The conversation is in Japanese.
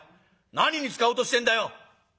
何に使おうとしてんだよ？」。